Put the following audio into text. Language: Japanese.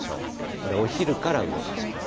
これ、お昼から動かします。